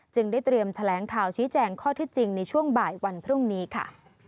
ได้เตรียมแถลงข่าวชี้แจงข้อที่จริงในช่วงบ่ายวันพรุ่งนี้ค่ะ